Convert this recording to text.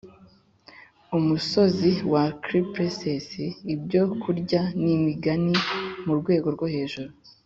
umusozi wa cypresses! ibyokurya n'imigani murwego rwo hejuru